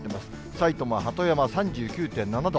埼玉・鳩山３９．７度。